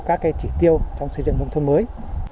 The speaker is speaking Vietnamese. các chỉ tiêu trong xây dựng nông thôn mới